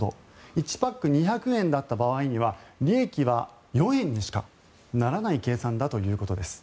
１パック２００円だった場合には利益は４円にしかならない計算だということです。